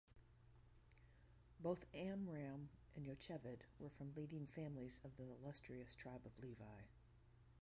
Both Amram and Yocheved were from leading families of the illustrious Tribe of Levi.